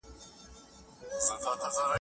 که ته غواړې پوه سې نو دا کتاب ولوله.